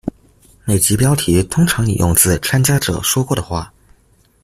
每集标题通常引用自参加者说过的话。